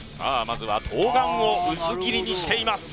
まずは冬瓜を薄切りにしています